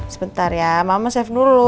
sebentar ya mama safe dulu